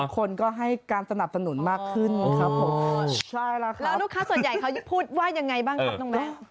คนก็ให้การสนับสนุนมากขึ้นครับผมใช่แล้วครับแล้วลูกค้าส่วนใหญ่เขาพูดว่ายังไงบ้างครับน้องแมว